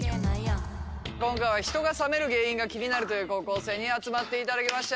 今回は人が冷める原因が気になるという高校生に集まっていただきました。